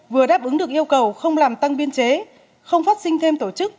vừa đáp ứng được yêu cầu không làm tăng biên chế không phát sinh thêm tổ chức